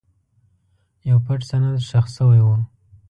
یو پټ سند ښخ شوی و.